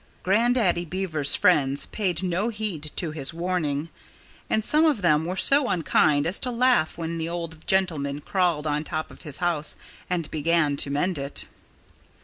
Grandaddy Beaver's friends paid no heed to his warning. And some of them were so unkind as to laugh when the old gentleman crawled on top of his house and began to mend it.